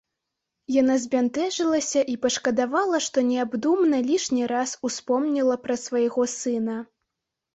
Яна збянтэжылася і пашкадавала, што неабдумана лішні раз успомніла пра свайго сына.